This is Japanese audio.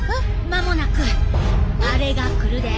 間もなくあれが来るで。